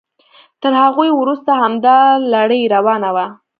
تر هغوی وروسته همدا لړۍ روانه وه.